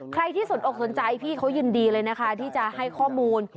ใครที่สนอกสนใจพี่เขายินดีเลยนะคะที่จะให้ข้อมูล